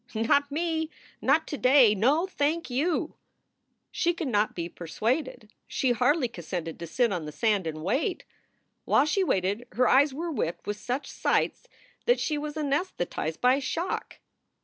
"Not me! Not to day! No, thank you!" She could not be persuaded. She hardly consented to sit on the sand and wait. While she waited her eyes were whipped with such sights that she was anassthetized by shock.